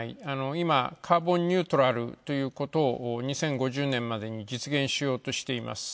今、カーボンニュートラルということを２０５０年までに実現しようとしています。